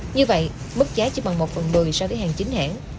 như vậy mức giá chỉ bằng một phần mười so với hàng chính hãng